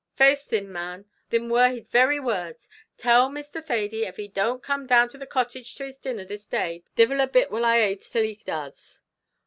"Faix thin, ma'am, thim wor his very words 'Tell Mr. Thady, av he don't come down to the cottage to his dinner this day, divil a bit will I ate till he does.'"